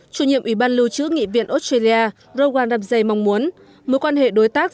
chủ nhiệm ủy ban lưu trữ nghị viện australia rowan damsey mong muốn mối quan hệ đối tác